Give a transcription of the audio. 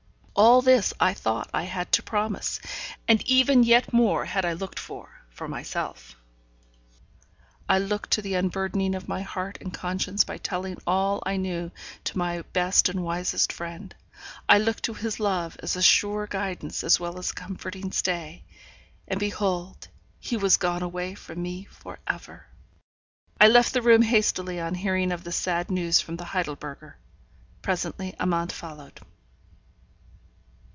All this I thought I had to promise, and even yet more had I looked for, for myself. I looked to the unburdening of my heart and conscience by telling all I knew to my best and wisest friend. I looked to his love as a sure guidance as well as a comforting stay, and, behold, he was gone away from me for ever! I had left the room hastily on hearing of this sad news from the Heidelberger. Presently, Amante followed.